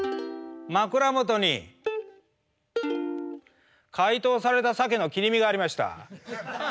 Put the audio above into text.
枕元に解凍されたサケの切り身がありました。